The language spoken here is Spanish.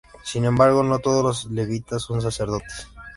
Sin embargo, no todos los levitas son sacerdotes.